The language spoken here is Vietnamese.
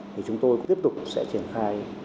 thì chúng tôi cũng tiếp tục sẽ triển khai